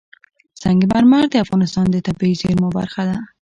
سنگ مرمر د افغانستان د طبیعي زیرمو برخه ده.